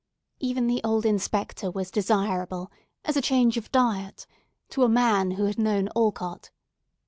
Even the old Inspector was desirable, as a change of diet, to a man who had known Alcott.